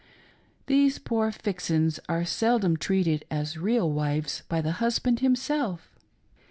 These poor " fixins " are seldom treated as real wives by the husband himself.